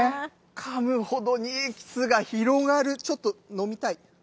かむほどにエキスが広がる、ちょっと飲みたい。